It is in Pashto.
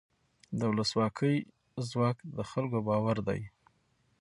د ولسواکۍ ځواک د خلکو باور دی